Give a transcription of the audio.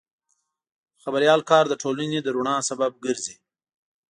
د خبریال کار د ټولنې د رڼا سبب ګرځي.